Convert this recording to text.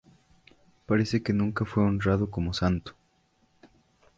Parece que nunca fue honrado como santo.